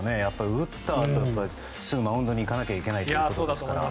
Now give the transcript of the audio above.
打ったあとすぐマウンドに行かなきゃいけないから。